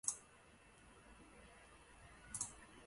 他出生在麻萨诸塞州的波士顿。